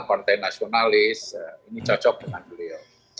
partai nasionalis ini cocok dengan beliau